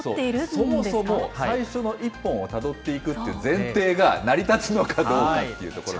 そもそも最初の１本をたどっていくという前提が成り立つのかどうかというところ。